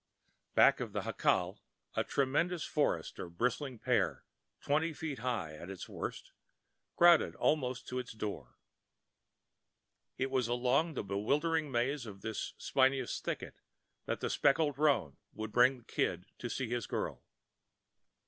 Back of the jacal a tremendous forest of bristling pear, twenty feet high at its worst, crowded almost to its door. It was along the bewildering maze of this spinous thicket that the speckled roan would bring the Kid to see his girl.